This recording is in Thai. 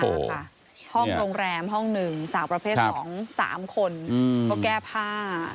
ห้องโรงแรมห้อง๑สาวประเภท๒๓คนเพราะแก้ผ้า